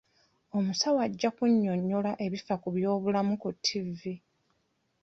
Omusawo ajja kunyonnyola ebifa ku by'obulamu ku ttivvi.